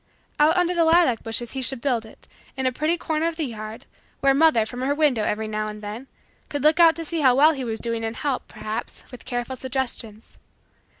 Out under the lilac bushes he should build it, in a pretty corner of the yard, where mother, from her window, every now and then, could look out to see how well he was doing and help, perhaps, with careful suggestions.